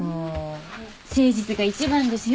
誠実が一番ですよ。